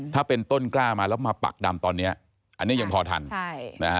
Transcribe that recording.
ถ้าเป็นต้นกล้ามาแล้วมาปักดำตอนเนี้ยอันนี้ยังพอทันใช่นะฮะ